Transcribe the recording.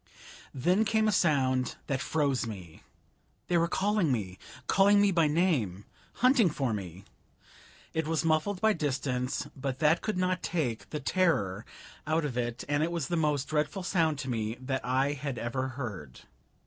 Then came a sound that froze me. They were calling me calling me by name hunting for me! It was muffled by distance, but that could not take the terror out of it, and it was the most dreadful sound to me that I had ever heard.